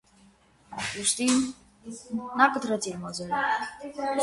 Ուստի, նա կտրեց իր մազերը։